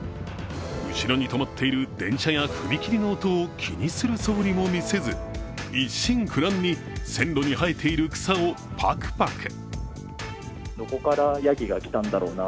後ろに止まっている電車や踏切の音を気にするそぶりも見せず一心不乱に線路に生えている草をパクパク。